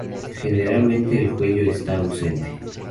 Generalmente, el cuello está ausente.